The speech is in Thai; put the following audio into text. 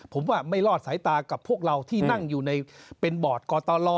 ผมว่าไม่รอดสายตากับพวกเราที่นั่งอยู่ในเป็นบอร์ดกตล